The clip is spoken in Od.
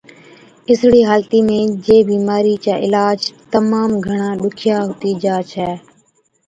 اِسڙِي حالتِي ۾ جي بِيمارِي چا عِلاج تمام گھڻا ڏُکِيا هُتِي جا ڇَي۔